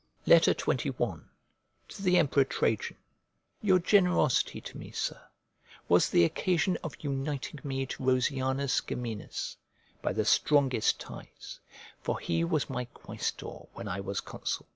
XXI To THE EMPEROR TRAJAN YOUR generosity to me, Sir, was the occasion of uniting me to Rosianus Geminus, by the strongest ties; for he was my quaestor when I was consul.